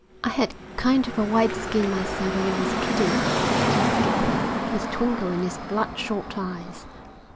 "I had kind of a white skin myself when I was a kiddie," said the skipper, with a twinkle in his bloodshot eyes.